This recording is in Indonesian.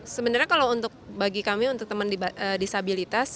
sebenarnya kalau bagi kami untuk teman disabilitas